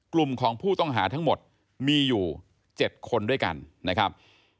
กลุ่มของผู้ต้องหาทั้งหมดมีอยู่๗คนด้วยกันนะครับ